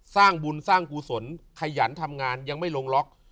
สร้างบุญสร้างกุศลขยันทำงานยังไม่ลงล็อก